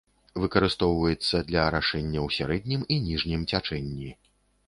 Выкарыстоўваецца для арашэння ў сярэднім і ніжнім цячэнні.